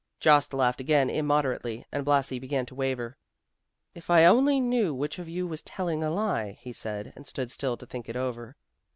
Jost laughed again immoderately, and Blasi began to waver. "If I only knew which of you was telling a lie;" he said, and stood still to think it over.